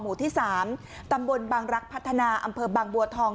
หมู่ที่๓ตำบลบางรักพัฒนาอำเภอบางบัวทอง